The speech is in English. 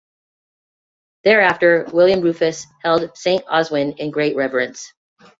Thereafter, William Rufus held Saint Oswin in great reverence.